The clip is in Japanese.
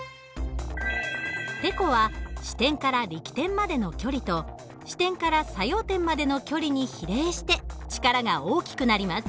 てこは支点から力点までの距離と支点から作用点までの距離に比例して力が大きくなります。